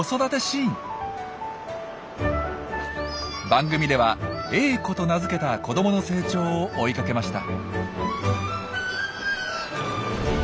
番組では「エーコ」と名付けた子どもの成長を追いかけました。